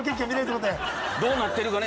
どうなってるかね？